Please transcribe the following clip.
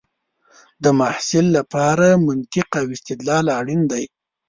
د محصل لپاره منطق او استدلال اړین دی.